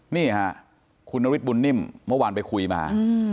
นี่ค่ะคุณนฤทธบุญนิ่มเมื่อวานไปคุยมา